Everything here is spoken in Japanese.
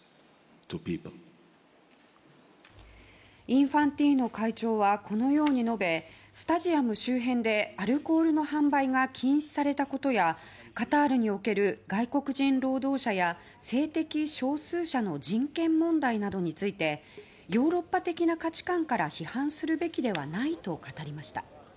インファンティーノ会長はこのように述べスタジアム周辺でアルコールの販売が禁止されたことやカタールにおける外国人労働者や性的少数者の人権問題などについてヨーロッパ的な価値観から批判するべきではないと語りました。